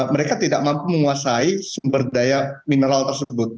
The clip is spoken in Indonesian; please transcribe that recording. mereka tidak mampu menguasai sumber daya mineral tersebut